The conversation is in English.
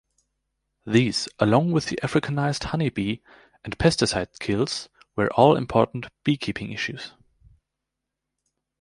These, along with the Africanized honeybee and pesticide kills were all important beekeeping issues.